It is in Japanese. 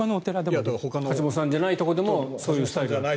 橋本さんじゃないところでもそういうスタイルは。